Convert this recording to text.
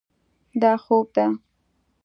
دا خوب ده.